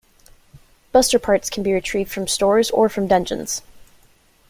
Buster Parts can be retrieved from stores or from dungeons.